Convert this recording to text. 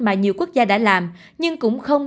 mà nhiều quốc gia đã làm nhưng cũng không